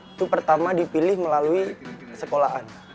itu pertama dipilih melalui sekolahan